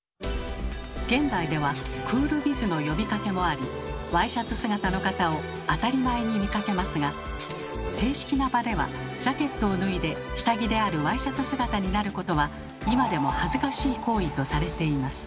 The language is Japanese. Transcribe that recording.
現代ではクールビズの呼びかけもありワイシャツ姿の方を当たり前に見かけますが正式な場ではジャケットを脱いで下着であるワイシャツ姿になることは今でも恥ずかしい行為とされています。